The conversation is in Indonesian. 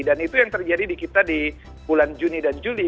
dan itu yang terjadi di kita di bulan juni dan juli